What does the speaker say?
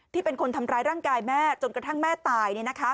เป็นคนทำร้ายร่างกายแม่จนกระทั่งแม่ตาย